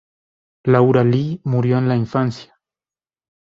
Laura Lee, murió en la infancia.